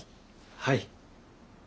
はい。